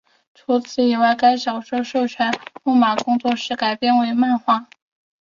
除此之外该小说亦授权梦马工作室改编为漫画。